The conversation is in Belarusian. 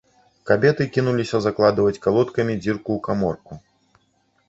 Кабеты кінуліся закладваць калодкамі дзірку ў каморку.